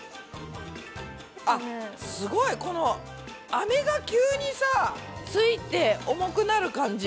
あっすごいこのアメが急にさついて重くなる感じ。